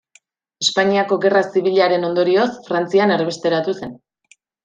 Espainiako Gerra Zibilaren ondorioz Frantzian erbesteratu zen.